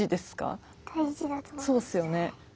そうっすよね。